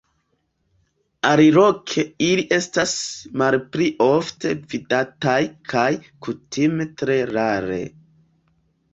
Aliloke ili estas malpli ofte vidataj kaj kutime tre rare.